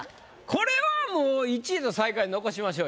これはもう１位と最下位残しましょうよ。